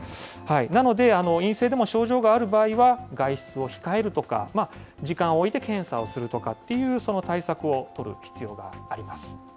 なので、陰性でも症状がある場合は、外出を控えるとか、時間をおいて検査をするとかっていう対策を取る必要があります。